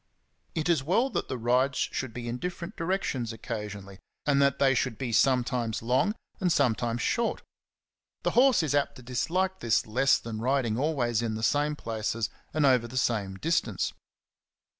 It is well that the rides should be in dif ferent directions occasionally, and that they should be sometimes long and sometimes 48 XENOPHON ON HORSEMANSHIP. short. The horse is apt to disHke'''' this less than riding ahvays in the same places and over the same distance.